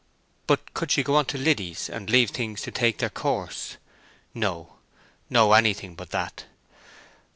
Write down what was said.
But could she go on to Liddy's and leave things to take their course? No, no; anything but that.